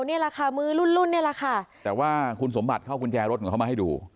นี่แหละค่ะมือรุ่นรุ่นนี่แหละค่ะแต่ว่าคุณสมบัติเข้ากุญแจรถของเขามาให้ดู